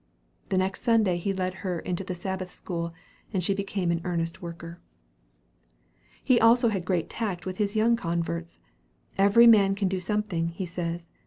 The next Sunday he led her into the Sabbath school, and she became an earnest worker. He also has great tact with his young converts. "Every man can do something," he says.